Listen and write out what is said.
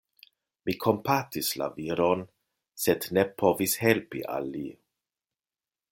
Mi kompatis la viron, sed ne povis helpi al li.